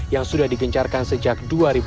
yang sudah dikencarkan sejak dua ribu dua puluh lalu